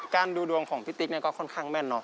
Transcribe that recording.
การดูดวงของพี่ติ๊กก็ค่อนข้างแม่น